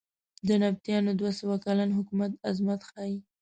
د نبطیانو دوه سوه کلن حکومت عظمت ښیې.